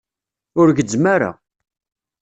Ur gezzem ara.